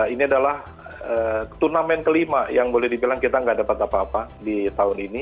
ini adalah turnamen kelima yang boleh dibilang kita nggak dapat apa apa di tahun ini